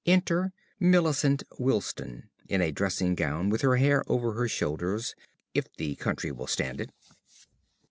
Enter Millicent Wilsdon_ in a dressing gown, with her hair over her shoulders, if the county will stand it.